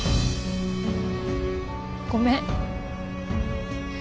ごめん。